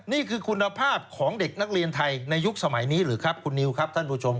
นี่คือคุณภาพของเด็กนักเรียนไทยในยุคสมัยนี้หรือครับคุณนิวครับท่านผู้ชม